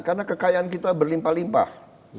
karena kekayaan kita berlimpah limpah